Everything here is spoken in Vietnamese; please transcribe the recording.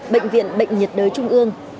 bệnh viện bệnh nhiệt đới trung ương